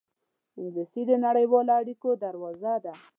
انګلیسي د نړیوالو اړېکو دروازه ده